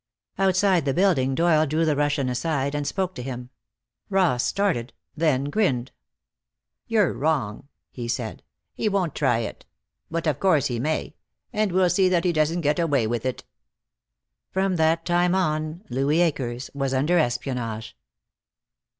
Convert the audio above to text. Outside the building Doyle drew the Russian aside, and spoke to him. Ross started, then grinned. "You're wrong," he said. "He won't try it. But of course he may, and we'll see that he doesn't get away with it." From that time on Louis Akers was under espionage.